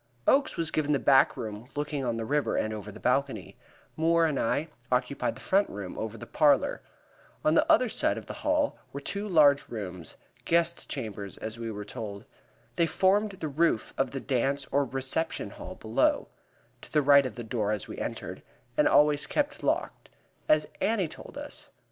Oakes was given the back room looking on the river, and over the balcony; Moore and I occupied the front room, over the parlor. On the other side of the hall were two large rooms guest chambers, we were told. They formed the roof of the dance or reception hall below to the right of the door as we entered and always kept locked, as Annie told us.